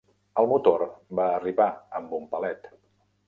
El motor va arribar amb un palet.